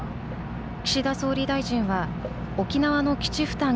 岸田総理大臣は沖縄の基地負担